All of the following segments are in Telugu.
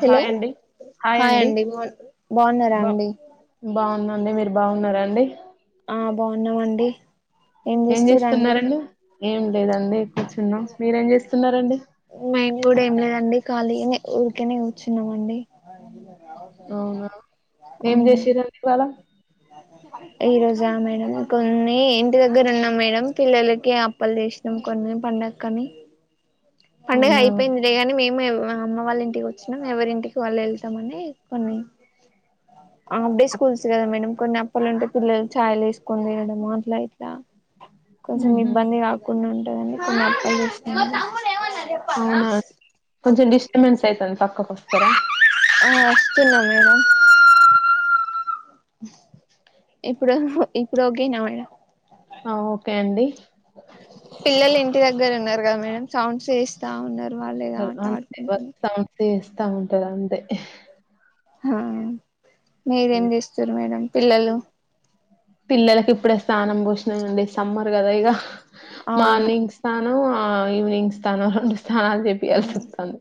హలో హాయ్ అండి హాయ్ అండి బా బాగున్నారా అండి అండి మీరు బాగున్నారాండి ఆ బాగున్నామ అండి ఏం చేస్తున్నారండి ఏం లేదండి కూర్చున్నాం మీరేం చేస్తున్నారండి మేం కూడా ఏం లేదండి ఖాళీని ఊరికేనే కూర్చున్నామ అండి అవునా ఏం చేసారంండి ఇంటికాడ ఈ రోజా మేడం కొన్ని ఇంటి దగ్గర ఉన్నాం మేడం పిల్లలకి అప్పలు చేసినాం కొన్ని పండకని పండుగ అవునా అయిపోయిందేలే గాని మేము అమ్మ వాళ్ళ ఇంటికి వచ్చినము ఎవరింటికి వాళ్ళు వెళ్తామని కొన్నీ ఆఫ్ డే స్కూల్స్ కదా మేడం కొన్ని అప్పలు ఉంటే పిల్లలు చా యలు వేసుకొని తేయడము అట్ల ఇట్లా కొంచెం ఉహు ఇబ్బంది కాకుండా ఉంటందండి కొన్ని అ చేస్తా అవునా కొంచం డిస్టర్బెన్స్ అవుతుంది ఆ వస్తున్నానండి ఇప్పుడు ఇప్పుడు ఓకేనా మేడం ఆ ఓకే అండి పిల్లలు ఇంటి దగ్గర ఉన్నారు కదా మేడం సౌండ్ చేస్తా ఉన్నారు వాళ్ళు ఏదో ఆట ఆడుకుంటున్నారు ఇస్తా ఉంటది అంతే మ్ మీరేం ఉమ్. చేస్తారు మేడం పిల్లలు పిల్లలలకు ఇప్పుడే స్నానం పోషినండి సమ్మర్ కదా ఇగ అవును మార్నింగ్ స్థానం ఆ ఈవనింగ్ స్థానం రెండు స్థానాలు చెప్పియాల్సి వస్తాంది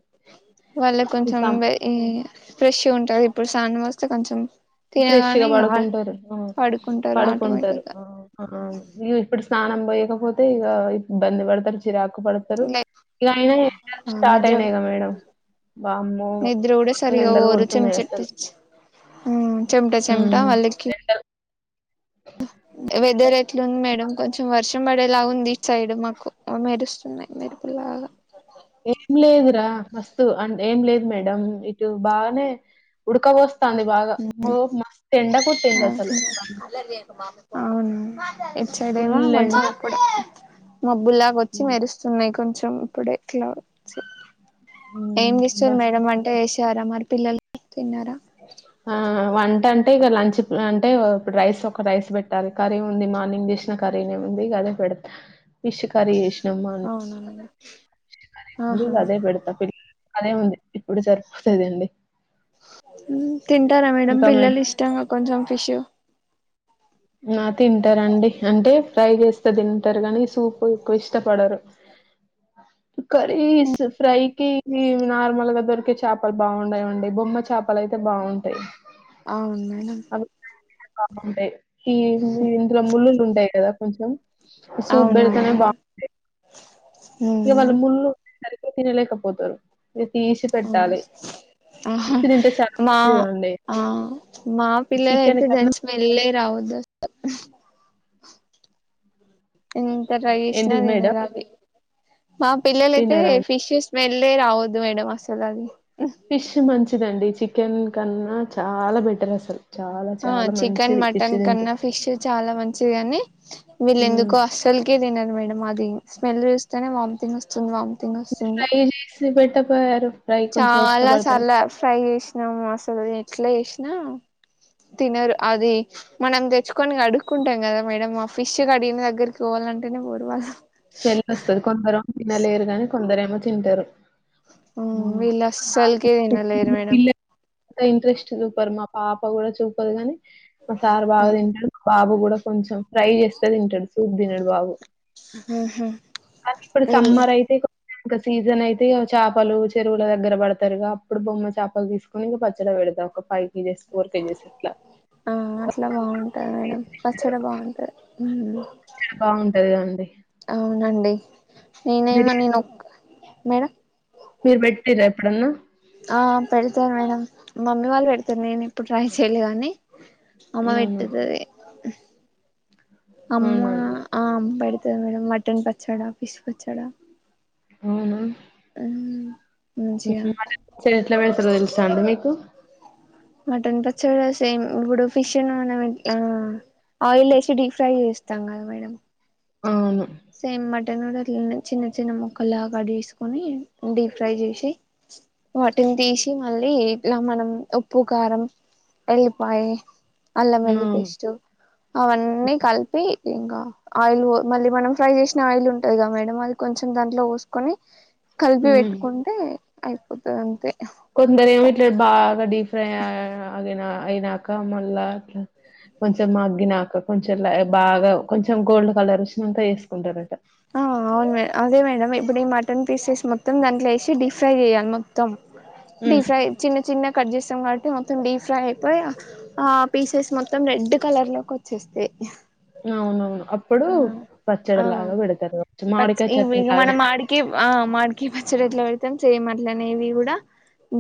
వాళ్ళ కొంచెం ఫ్రెష్ గ ఉంటది ఇప్పుడు స్నానం పోస్తే కొంచెం ఫ్రెష్ తినగానే గా ఇగ పడుకుంటారు ఆ పడుకుంటారు పడుకుంటారు ఆటోమేటిక్గా ఇప్పుడు స్నానం పోయకపోతే ఇక ఇబంది పడతారు చిరాకు పడతారు ఇగ అయినా ఎండలు స్టార్ట్ నిద్ర అయినాయి మేడం వామ్మో నిద్ర గూడ ఘోరంగా సరిగా ఎండలు బొరు చిన్న కొడుతున్నాయి అసలు [unintelligible] చెమ్టా చెమ్ టా ఉమ్ వాళ్ళకి ఎండలు మరేలావుంది ఈ సైడ్ మాకు మెరుస్తున్నాయి మెరుపులాగా ఏం లేదురా మస్తు అఅంటే ఏం లేదు మేడం ఇటు బాగానే ఉడకబస్తాంది బాగా బొ మస్తు ఎండ కొట్టింది అసలు ఇటూ సైడ్ ఏమో ఫుల్ ఎండ కొంచెం ఇప్పుడే మబ్బులాగ ఉ వచ్చి మెరుస్తున్నాయి కొంచెం ఇప్పుడ ఎట్లా వచ్చి ఏం ఉమ్ చేస్తురు మస్త్ మేడం అంటే వేసారా మరి పిల్లలు తిన్నారా ఆ వంట అంటే ఇక లంచ్ అంటే ఇప్పుడు రైస్ ఒక రైస్ పెట్టాలి ఖర్రీ ఉంది మార్నింగ్ చేసినా కర్రీనేముంది అదే పెడతా ఫిష్ కర్రీ చేేసినామ్మా అవునవును అదే ఆహా అదే పెడతా పిల్ల అదే ఉంది ఇప్పుడు సరిపోతుదండి తింటారా మేడం పిల్లలు ఇష్టంగా కొంచెం ఫిష్ ఆ తింటరండి అంటే ఫ్రై చేస్తే తింటరు గనీ సూప్ ఎక్కువ ఇష్టపడరు కర్రీస్ ఫ్రైకి ఊ నార్మల్ గా దొరికే చాపలు బాగుండవండి బొమ్మ చాపలు అయితే బాగుంటాయి అవును మేడం బాంటాయి ఈ ఈ ఇందులో ముళ్ళులు ఉంటాయి కదా కొంచెం సూప్ అవునవును పెడితేనే మేడం బాగుంటాయి ఇక ఉమ్ వాళ్లు ముల్లులు ఉంటాయి సరిగ్గా తినలేక పోతారు తీసిపెట్టాలి ఆహా మా ఆ మా చికెన్ పిల్లలైతే కన్నా దాని స్మెల్యే రావొద్దు అసల నేను ఎంత ట్రై చేసినా ఏంటిది మేడం తినరు అవి మా పిల్లలైతే తినరా? ఫిష్ స్మెల్ ఏ రావద్దు మేడం అసలు అది ఫిష్ మంచిదండి చికెన్ కన్నా చాలా బెటర్ అసలు చాలా ఆ చాలా చికెన్ మంచిది ఫిష్ మటన్ తింటే. కన్నా ఫిష్ చాలా మంచిది కాని వీళ్ళ హ్మ్. ఎందుకో అస్సలుకి ఏంది తినరు మేడం అది స్మెల్ చూస్తేనే వామిటింగ్ వస్తది వామ్ ఫ్రై చేసి పెట్ట పోయారు చాలా చాలా ఫ్రై చేసినాము అసలు ఎట్లా చేసినా తినరు అది మనం తెచ్చుకొని కడుక్కుంటాం కదా మేడం ఆ ఫిష్ కడిగిన దగ్గరికి పోల్ల గంటేనే. పోరు వాళ్ళు స్మెల్ వస్తది కొందరు తినలేరు గాని కొందరేమో తింటారు ఉ హ్మ్. వీళ్ళు అస్సలకి తినలేరు మేడం అంతా ఇంట్రెస్ట్ చూపరు మా పాప కూడా చూపదు కానీ మా సార్ బాగా తింటడు మా బాబు కూడా కొంచెం ఫ్రై చేస్తే తింటాడు సూప్ తినడు బాబు ఉహు అది ఇప్పుడు వీళ్ళు సమ్మర్ అయితే ఇగ ఇక సీజన్ అయితే చాపలు చెరువుల దగ్గర పడతారుగా అప్పుడు బొమ్మ చేపలు తీసుకుని ఇంక పచ్చడి పెడతాం ఒక ఫైవ్ కేజెస్, ఫోర్ కేజెస్ ఇట్లా ఆ అట్ల బాగుంటది మేడం పచ్చడి బాగుంటది ఉ చాలా బాగుంటది కదండీ అవునండి నేనేమ మీరు నేను ఒక మీరు పెట్టిర ఎప్పుడన్నా ఆ పెడతా మేడం మమ్మీ వాళ్ళు పెడతారు నేను ఎప్పుడు ట్రై చేయలే కానీ అమ్మ అవునా! పెట్టుతది అమ్మ అవునా అండి. ఆ అమ్ పెడుతది మేడం మటన్ పచ్చడా ఫిష్ పచ్చడా అవునా ఊ మటన్ పచ్చడి ఎట్ల పెడతారో తెలుసా అండి మీకు మటన్ పచ్చడ ఆ సేమ్ ఇప్పుడు ఫిష్ ను మనం ఎట్ల ఆ ఆయిల్ ఎసి డిఫ్రై చేస్తాం కదా మేడం అవును సేమ్ మటన్ కూడా అట్లనే చిన్న చిన్న ముక్కలుగా కట్ చేసుకుని డీప్ ఫ్రై చేసి వాటిని తీసి మళ్ళీ ఇట్లా మనం ఉప్పు కారం ఎల్లిపాయే అల్లం వెల్లుల్లి అవును. పేస్ట్ అవన్నీ కలిపి ఇంకా ఆయిల్ ఓ మళ్లీ మనం ఫ్రై చేసిన ఆయిల్ ఉంటది గా మేడం అది కొంచెం దాంట్లో పోసుకొని కలిపి హ్మ్. పెట్టుకుంటే అయిపోతది అంతే కొందర ఏమో ఇట్లా బాగా డీఫ్రై ఆ అదేనా అయినాక మళ్ళా అట్లా కొంచెం మగ్గినాక కొంచెం లే బాగా కొంచెం గోల్డ్ కలర్ వచ్చినాక వేసుకుంటారట ఆ అవును మే అదే మేడం ఇప్పుడు ఈ మటన్ పీసెస్ మొత్తం దాంట్లో వేసి డీప్ ఫ్రై చేయాలి మొత్తం డీ హ్మ్ ఫ్రై చిన్న చిన్న గ కట్ చేస్తాం కాట్ త మొత్తం డీప్ ఫ్రై అయిపోయి ఆ పీసెస్ మొత్తం రెడ్ కలర్ లోకి వచ్చేస్తాయి అవును అవును అప్పుడు ఆ ఆ పచ్చడిలాగా పెడతరు పచ్చ మామిడికాయ ఇవి చట్నీ ఇగ లాగా మనం మాడికి ఆ మాడికి పచ్చడి ఎట్ల పెడతాం సేమ్ అట్లనే ఇది గుడా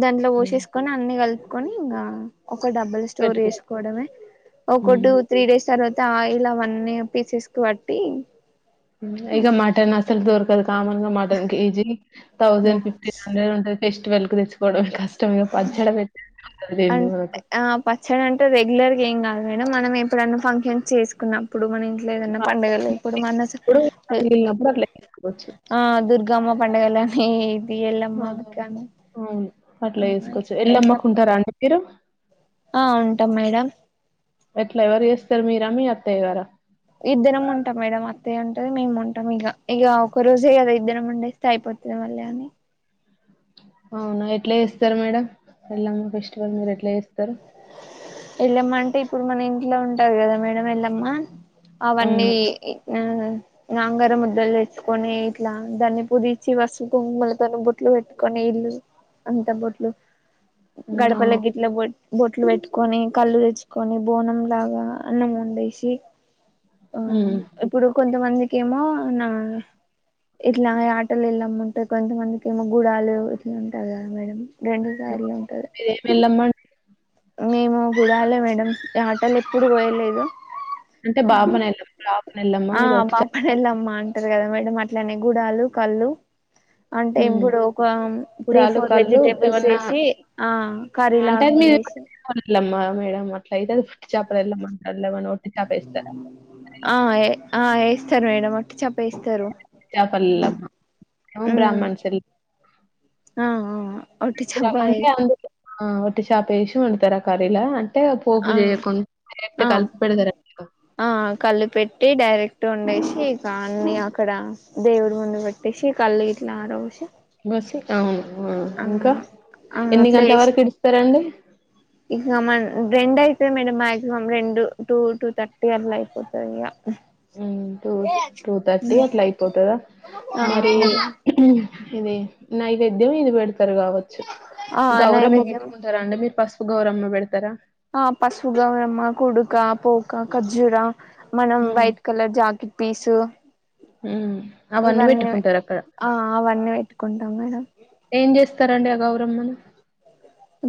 దాంట్లో హ్మ్. పోసేసుకొని అన్ని కలుపుకొని ఇంగా ఒక డబ్బ లో స్టోర్ పెట్టుకు చెసుకోవడమే ఒక టూ, హ్మ్ త్రీ డేస్ తర్వా త ఆయిల్ అవన్నీ పీసెస్కి బట్టి ఇగ మటన్ అసలు దొరకదు కామన్గా mutton kg thousand, fifteen hundred ఉంటయి ఫెస్టివల్కి తెచ్చుకోవడానికి అస అంటే మనకు ఆ పచ్చడి అంటే రెగ్యులర్గా ఏం గాదు అయిన మనం ఎప్పుడన్నా ఫంక్షన్స్ చేసుకున్నా ప్పుడు మన ఇంట్లో ఏదన్నా పండగలు ఇప్పుడు మన ఇప్పుడు [unintelligible] మిగిలినప్పుడు అట్లా చేసుకోవచ్చు ఆ దుర్గామ్మ పండగలకి ఇది ఎల్లమ్మ కనీ అపట్ల చేసుకోవచ్చు ఎలమ్మకుంటారా అండి మీరు ఆ ఉంటం మేడం ఎట్ల ఎవరు చేస్తరు మీరా మీ అత్తయ్యగార ఇద్దరం ఉంటం మేడం అత్తయ్య ఉంటది మేము ఉంటం ఇగ ఒక రోజే కదా ఇద్దరం ఉండేస్తే అయిపో తేవాలి అని అవునా ఎట్లా చేస్తరు మేడం ఎల్లమ్మ ఫెస్టివల్ మీరు ఎట్లా చేస్తరు. ఎల్లమ్మ అంటే ఇప్పుడు మన ఇంట్లో ఉంటది కదా మేడం ఎల్లమ్మ అవన్నీ అవును [unintelligible] నాంగారం ముద్దలు తెచ్చుకొని ఇట్లా దాన్ని పుదిచ్చి వసుపు, కుంకుమలతో బొట్లు పెట్టుకొని అంత బోట్లు హ్మ్ గడపల అవును గిట్ల బో బొట్లు పెట్టుకొని కళ్ళు తెచ్చుకొని బోనం లాగా అన్నం వండేషి ఆ హ్మ్ ఇప్పుడు కొంతమందికెమో నా ఇట్లా యాటల్ ఎల్లమ్మను అంటే కొంతమందికెమో గుడాలు ఇట్లా ఉంటది కదా మేడం రెండు సార్లు ఉంటది మీరేమి ఎల్లమ్మ అండి? మేము గుడాలే మేడం యటలు ఎప్పుడు కొయలేదు అంటే బాబ్నే ఎల్లమ్మ బబ్ ఆ బాపని ఎల్లమ్మ అంటరు కదా మేడం అట్లనే గుడాలు, కళ్ళు అంటే హ్మ్ ఇప్పుడు ఒక త్రీ, కుడాలు ఫోర్ కళ్ళు వెజిటేబుల్స్ చెసి ఆ కర్రీలా [unintelligible] మేడ అట్లా అయితే చాపల్లొలు మకాడ ఏమన్నా ఒట్టి చాప ఇస్తార ఇస్తరు మేడం ఒట్టి చప్పేస్తరు. చాపల్ ఎల్లమ్మ మేమ్ ఉమ్ బ్రహ్మాన్స్ ఎల్ల ఆ ఆ వట్టి చేప అంటాళ్ళు ఒట్టి చాప ఎసి వండుతరా కర్రి లా అట్టే పోపు ఆ చేయకుం ఆ [unintelligible] ఆ కళ్ళు పెట్టి డైరెక్ట్ వండేసి ఇకా అన్ని అక్కడ దేవుడి ముందు పెట్టేసి కళ్ళు గిట్లా ఆరబోసి బెసిక్ అవును ఆ ఇంకా ఆ ఎన్ని అట్లా గంటల చేసి వరకు ఇడుస్తారండి. ఇక మన్ రెండు అయితది మేడం మాక్సిమం రెండు టూ, టూ థర్టీ అట్ల అయిపోతది ఇగ హు టూ టూ థర్టీ అట్లా అయిపోతదా ఆ మరి ఇదే నైవేద్యం ఇది పెడతారు కావచ్చు ఆ గౌరమ్మ నైవేద్యం పెట్టుకుంటారా అండి మీరు గౌరమ్మ పెడతరా ఆ పసుపు గౌరమ్మ, కుడుక, పోక, ఖర్జురా మనం హ్మ్. వైట్ కలర్ జాకిట్ పీసు హ్మ్. అవన్నీ ఇవన్నివె పెట్టుకుంటారక్కడ. ఆ అవన్నీ పెట్టుకుంటం మేడం ఏం చేస్తారండి ఆ గౌరమ్మను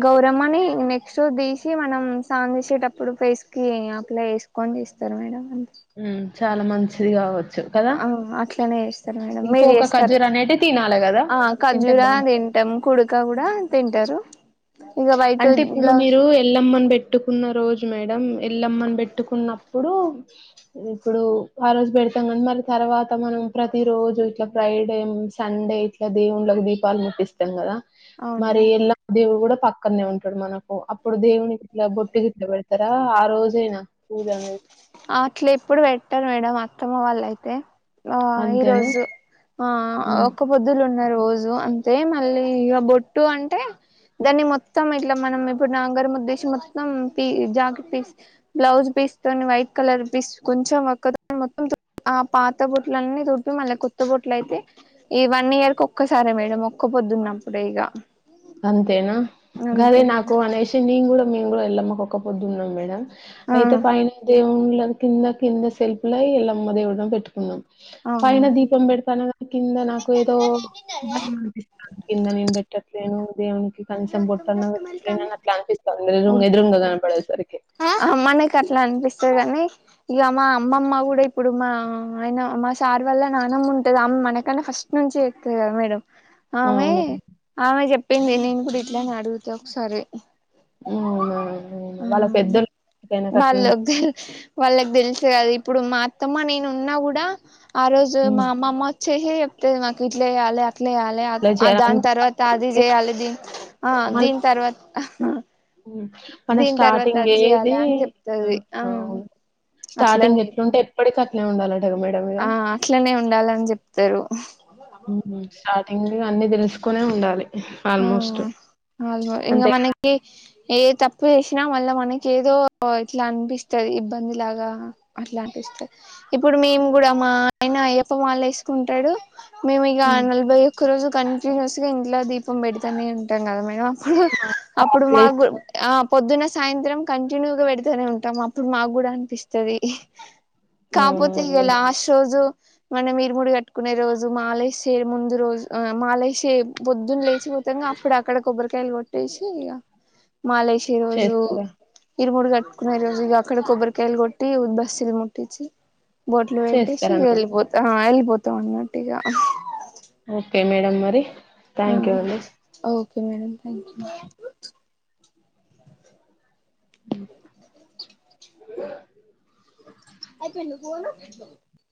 గౌరమ్మని నెక్స్ట్ దెసివనం సాంగ్ చెసేటప్పుడు ప్రేస్కి అప్లై చెస్ అన్నెస్తరు మేడం అన్ హ్మ్. చాలా మంచిది కావ అవును అట్లనే చేస్తరు మేడం ఇంకో మీరు ఒక చేస్తర ఖర్జూర అనేటివి తినాలి కదా ఆ తింటే ఖర్జురా బాగు తింటం కుడుక కుడా తింటరు. అంటే ఇప్పుడు మీరు ఎల్లమ్మని పెట్టుకున్న రోజు మేడం ఎల్లమ్మను పెట్టుకున్నప్పుడు ఇప్పుడు ఆ రోజు పెడతాం కని మరి తర్వాత మనం ప్రతి రో రోజు ఇట్లా ఫ్రైడే సండే ఇట్లా దేవుళ్ళకి దీపాలు ముటిస్తాం కదా అవును మరి ఎల్లం దేవుడు కూడా క్కన్నే ఉంటాడు మనకు అప్పుడు దేవునికి ఇట్ల బొట్టు గిట్లా పెడుతారా ఆ రోజైనా పూజ అనేది అట్లా ఎప్పుడు పెట్టారు మేడంమ్ అత్తమ్మ వాళ్ళయితే ఆ అంతేనా ఈరోోజు ఆ ఉమ్. ఒక్క పొద్దులు ఉం రోజు అంతే మళ్ళీ ఇగ బొట్టు అంటే దాన్ని మొత్తం ఇట్లా మనం ఇప్పుడు నాంగారం వద్దఏసీ మొత్తం పి జాక్ పీస్ బ్లౌజ్ పీస్తోని వైట్ కలర్ పీస్ కొంచెం ఒక మొత్తం ఆ పాత బుట్లన్నీ తు మళ్ళీ కొత్త బొట్ల అయితే ఈ వన్ ఇయర్ కొక్క సారే మేడం ఒక్క పొద్దున్నప్పుడే ఇగ అంతేనా గదే నాకు మేడం అనేసి నిను కూడా మేము కూడా ఎల్లమ్మ కు ఒక్క పొద్దున్నాం మేడం ఆ అయితే పైన దేవుళ్ల కింద కింద శెల్పుల ఎల్లమ్మ దేవుడను పెట్టుకున్నాం అవును పైన మేడం దీపం పెడతాన కింద నాకు ఏదో [unintelligible] కింద నేను పెట్టన్ దేవునికి కనీసం బోట్టన్న పెట్టట్లేనని అట్లా అనిపితంది ఎదురుంగా ఎదురుంగ కనపడేసరికి ఆ మనకట్లన్ నిపిస్తాదీ కానీ ఇగ మా అమ్మమ్మ కూడా ఇప్పుడు మా ఆయన మా సార్ వల్ల నానమ్ముంటది ఆమె మనకన్నాే ఫస్ట్ నుంచి చెత్తది కదా మేడం ఆమె అవును ఆమె చెప్పింది నేను కూడా ఇట్లనే అడుగుతే ఒకసారి అవునా అవును ఆ వాళ్ళ పెద్దోళ్ళు వాళ్ళ దే వాళ్ళకి తెలుసు కద ఇప్పుడు మా అత్తమ్మ నేను ఉన్నా కూడా ఆ రోజు మా అమ్మమ్మ చేసే చెప్తది మాకు ఇట్ల చెయ్యాలె అట్ ట్యాయలే ఆ దాని తర్వాత అది చేయాలి దీ ఆ మళ్ళీ దీని తర్వాత మన దీని తర్వాత స్టార్టింగ్ అది చేయాలి ఏది అని చెప్తది ఆ ఆవు స్టార్టింగ్ అట్లనే ఎట్లుంటే ఎప్పటికి అట్లే ఉండాలం టారు మేడం ఇగ ఆ అట్లనే ఉండాలని చెప్తారు మ్ హు అట్ ఎంగ్ అన్నిీ తెలుసుకునే ఉండాలి ఆల్మోస్ట్ ఆ అల్వ ఇంగా అంతే కదా మనకి ఏ తప్పు చేసినా మళ్ళా మనకి ఏదో ఇట్లా అనిపిస్తది ఇబ్బంది లాగా అట్లంటి ఇప్పుడు మేము కూడా మా ఆయన అయ్యప్ప మలేసుకుంటాడు మేము ఇగ నలభై ఒక్క రోజు కంటిన్యూస్ గా ఇంట్ల దీప్ పెడుతానే ఉంటం కదా మేడం అప్పుడు అప్పుడు మాకు ఆ ప్ పొద్దున సాయంత్రం కంటిన్యూగా పెడతనే ఉంటాం అప్పుడు మాకు కూడా అనిపిస్తది కాపోతే ఇగ అవునవును లాస్ట్ రోజు మనం ఇరుముడి కట్టుకునే రోజు మాలేసే ముందు రోజు ఆ మాలేసే పొద్ చ్చిపోతంగా అప్పుడు అక్కడ కొబ్బరికాయలు కొట్టేసి ఇగ మాలేషే రోజు చేస్తారా ఇరు మూడు కట్టుకునే రోజు ఇగ అక్కడ కొబ్బరికాయలు కొట్టి ఉద్బస్తీల్ ముట్టిచ్చి బోట్లు పెట్టేసి ఇగ చేస్తారన్నమాట వెళ్ళిపోతా ఆ వెళ్ళిపోతాం అన్నమాటిగా ఓకే మేడం మరి థ్యాంక్ యూ అండి ఆ ఓకే మేడం థ్యాంక్ యూ అయిపోయి పో